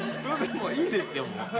もういいですよ。